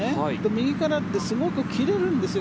右からってすごく切れるんですよ。